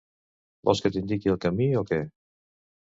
Vols que t'indiqui el camí o què?